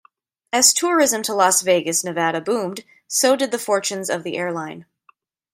As tourism to Las Vegas, Nevada, boomed, so did the fortunes of the airline.